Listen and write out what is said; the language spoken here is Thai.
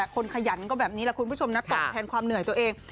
ขยันก็แบบนี้แหละคุณผู้ชมนะตอบแทนความเหนื่อยตัวเอง